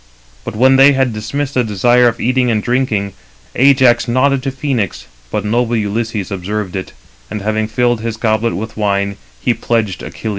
But when they had dismissed the desire of eating and drinking, Ajax nodded to Phoenix, but noble Ulysses observed it, and having filled his goblet with wine, he pledged Achilles: Footnote 300: (return) Hesych.